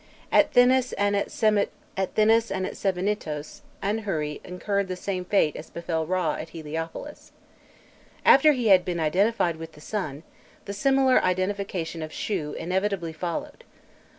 At Thinis and at Sebennytos Anhûri incurred the same fate as befell Râ at Heliopolis. After he had been identified with the sun, the similar identification of Shû inevitably followed.